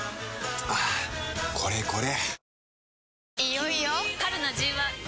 はぁこれこれ！